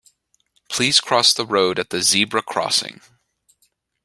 Please cross the road at the zebra crossing